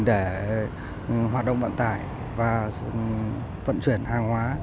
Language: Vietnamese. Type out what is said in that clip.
để hoạt động vận tải và vận chuyển hàng hóa